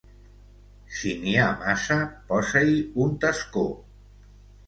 Si n'hi ha massa, posa-hi un tascó.